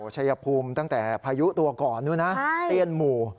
ชัยภูมิตั้งแต่พายุตัวก่อนนู้นนะเตี้ยนหมู่